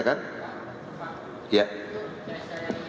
pak dari itu dari penyelesaian